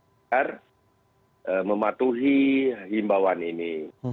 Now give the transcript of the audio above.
untuk mematuhi himbawan ini